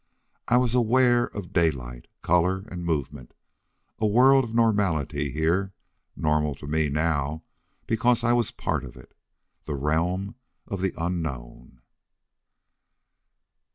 I was aware of daylight, color, and movement. A world of normality here, normal to me now because I was part of it. The realm of the unknown!